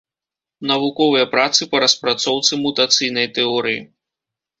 Навуковыя працы па распрацоўцы мутацыйнай тэорыі.